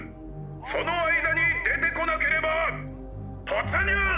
その間に出てこなければとつ入する！」。